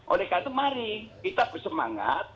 oleh karena itu mari kita bersemangat